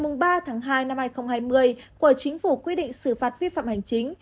ngày ba tháng hai năm hai nghìn hai mươi của chính phủ quy định xử phạt vi phạm hành chính